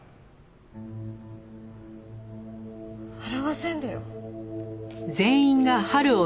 笑わせんでよ。